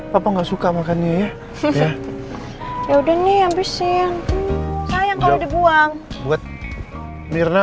papa nggak suka makannya ya susah yaudah nih habisin sayang kalau dibuang buat mirna